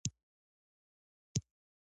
عقلي قوه يې وده نکوي.